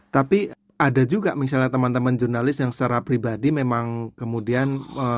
tapi ada juga misalnya teman teman jurnalis yang secara pribadi memang kemudian